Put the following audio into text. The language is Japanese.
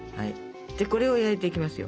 これを焼いていきますよ。